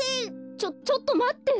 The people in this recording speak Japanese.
ちょちょっとまって。